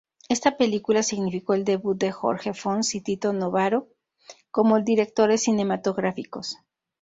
Esta película significó el debut de Jorge Fons y Tito Novaro como directores cinematográficos.